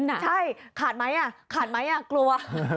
ใช่ขาดไหมขาดไหมกลัว